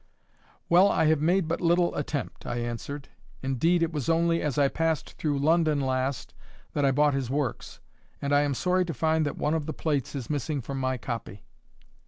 "Well, I have made but little attempt," I answered. "Indeed, it was only as I passed through London last that I bought his works; and I am sorry to find that one of the plates is missing from my copy."